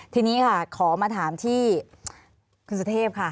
ทีนี้ค่ะขอมาถามที่คุณสุเทพค่ะ